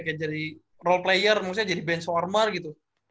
kayak jadi role player maksudnya jadi benchwarmer gitu